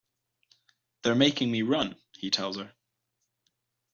"They're making me run," he tells her.